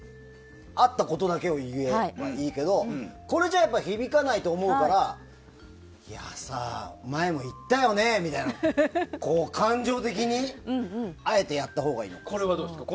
あったことだけを言えばいいけどこれじゃあ響かないと思うからいやさ、前も言ったよねみたいな感情的にあえてやったほうがいいの？